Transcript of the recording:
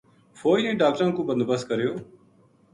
فوج نے ڈاکٹراں کو بندوبست کریو